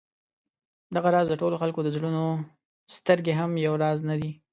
دغه راز د ټولو خلکو د زړونو سترګې هم یو راز نه دي.